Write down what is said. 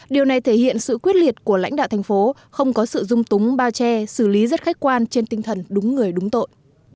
điều này thể hiện sự quyết liệt của lãnh đạo thành phố không có sự dung túng bao che xử lý rất khách quan trên tinh thần đúng người đúng tội